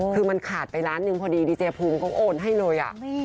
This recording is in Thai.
คือมันขาดไปล้านหนึ่งพอดีดีเจภูมิก็โอนให้เลย